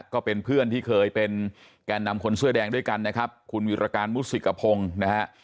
ก็เป็นเพื่อนที่เคยเป็นแก่นำคนเสื้อแดงด้วยกันนะครับคุณวิรการมุสิกพงศ์นะฮะ